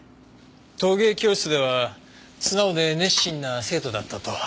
陶芸教室では素直で熱心な生徒だったと。